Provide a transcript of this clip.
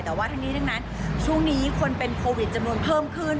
แต่ว่าทั้งนี้ทั้งนั้นช่วงนี้คนเป็นโควิดจำนวนเพิ่มขึ้น